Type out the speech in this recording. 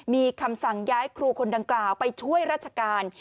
มีคำสั่งย้ายครูคนดังกล่าวไปช่วยราชการ